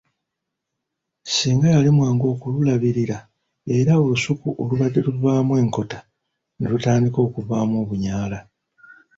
Singa yalemwanga okululabirira era olusuku olubadde luvaamu enkota ne lutandika okuvaamu obunyaala.